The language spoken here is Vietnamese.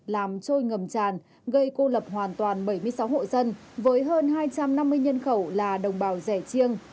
làm trôi ngầm tràn gây cô lập hoàn toàn bảy mươi sáu hộ dân với hơn hai trăm năm mươi nhân khẩu là đồng bào rẻ chiêng